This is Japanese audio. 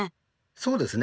そうですね。